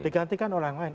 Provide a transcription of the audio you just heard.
digantikan oleh orang lain